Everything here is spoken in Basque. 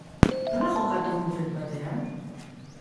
Nola jokatu buffet batean?